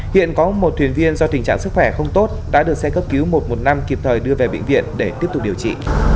hiện có một thuyền viên do tình trạng sức khỏe không tốt đã được xe cấp cứu một trăm một mươi năm kịp thời đưa về bệnh viện để tiếp tục điều trị